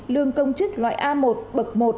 lương công chức loại a một bậc một